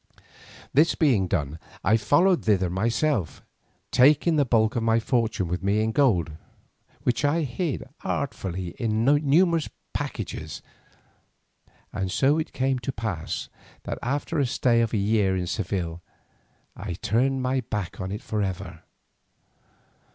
This being done I followed thither myself, taking the bulk of my fortune with me in gold, which I hid artfully in numerous packages. And so it came to pass that after a stay of a year in Seville, I turned my back on it for ever.